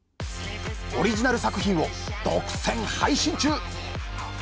オリジナル作品を独占配信中！